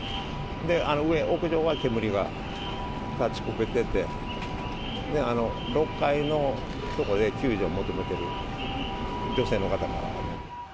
上、屋上は煙が立ち込めてて、あの６階の所で救助を求めている女性の方が。